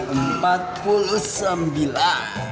empat puluh sembilan